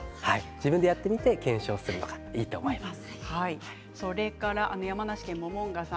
自分でやってみて検証するのがいいと思います。